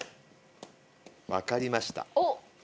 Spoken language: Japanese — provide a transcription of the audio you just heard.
分かりました。